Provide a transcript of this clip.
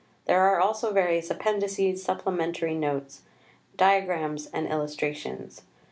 There are also various Appendices, Supplementary Notes, Diagrams and Illustrations.